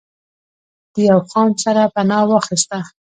د يو خان سره پناه واخسته